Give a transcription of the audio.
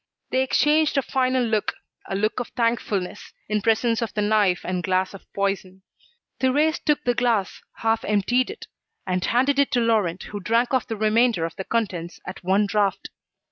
They exchanged a final look, a look of thankfulness, in presence of the knife and glass of poison. Thérèse took the glass, half emptied it, and handed it to Laurent who drank off the remainder of the contents at one draught.